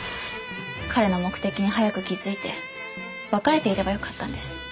彼の目的に早く気づいて別れていればよかったんです。